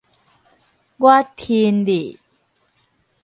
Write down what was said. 我伨你